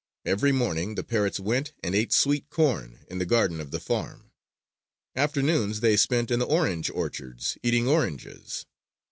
Every morning, the parrots went and ate sweet corn in the garden of the farm. Afternoons they spent in the orange orchards eating oranges.